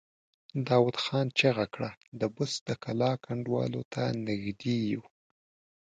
داوود خان چيغه کړه! د بست د کلا کنډوالو ته نږدې يو!